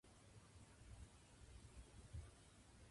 声優の人権は守ろうね。